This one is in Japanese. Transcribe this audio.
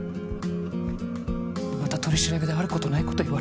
また取り調べである事ない事言われて。